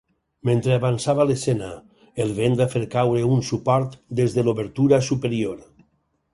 Mentre avançava l'escena, el vent va fer caure un suport des de l'obertura superior.